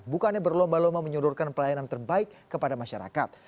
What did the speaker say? bukannya berlomba lomba menyodorkan pelayanan terbaik kepada masyarakat